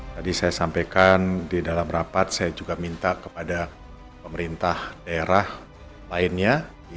tadi saya sampaikan di dalam rapat saya juga minta kepada pemerintah daerah lainnya